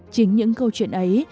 chính những câu chuyện ấy